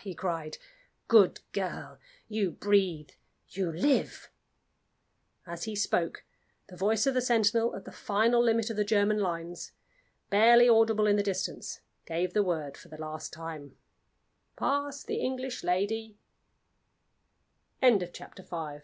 he cried. "Good girl! you breathe you live!" As he spoke, the voice of the sentinel at the final limit of the German lines (barely audible in the distance) gave the word for the last time: "Pass the English lady!" SECOND SCENE. Mablethorpe House.